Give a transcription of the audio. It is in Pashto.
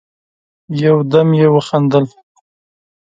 يودم يې وخندل: